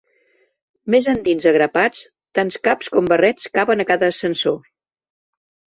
Més endins a grapats, tants caps com barrets caben a cada ascensor.